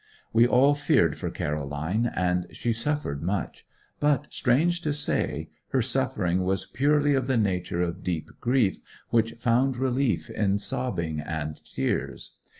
We all feared for Caroline; and she suffered much; but strange to say, her suffering was purely of the nature of deep grief which found relief in sobbing and tears.